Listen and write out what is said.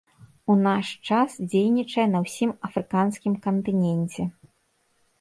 У наш час дзейнічае на ўсім афрыканскім кантыненце.